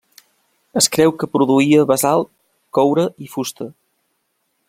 Es creu que produïa basalt, coure i fusta.